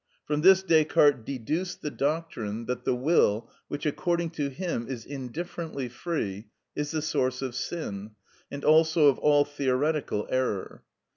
From this Descartes deduced the doctrine that the will, which, according to him, is indifferently free, is the source of sin, and also of all theoretical error.